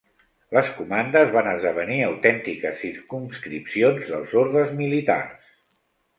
Les comandes van esdevenir autèntiques circumscripcions dels ordes militars.